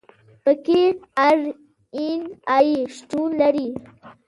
پکې آر این اې شتون لري.